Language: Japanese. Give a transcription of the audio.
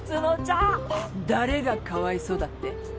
誰がかわいそうだって？